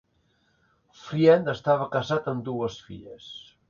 Friend estava casat amb dues filles.